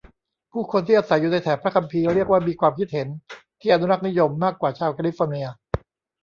ผู้คนที่อาศัยอยู่ในแถบพระคัมภีร์เรียกว่ามีความคิดเห็นที่อนุรักษ์นิยมมากกว่าชาวแคลิฟอร์เนีย